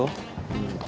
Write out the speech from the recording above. うん。